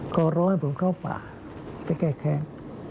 ก็รอให้ผมเข้าป่าไปแก้แค่ง